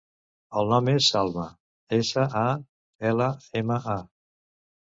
El nom és Salma: essa, a, ela, ema, a.